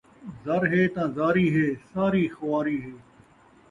زر ہے ناں زاری ہے ، ساری خواری ہے